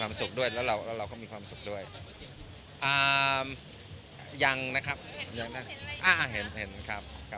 ผมได้เจอกันในวันแต่งอย่างนี้เนอะ